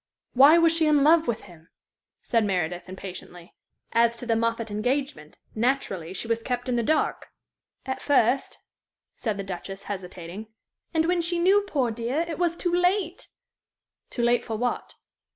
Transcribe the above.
"Why was she in love with him?" said Meredith, impatiently. "As to the Moffatt engagement, naturally, she was kept in the dark?" "At first," said the Duchess, hesitating. "And when she knew, poor dear, it was too late!" "Too late for what?"